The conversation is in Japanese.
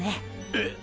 えっ？